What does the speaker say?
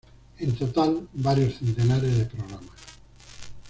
En total, varios centenares de programas.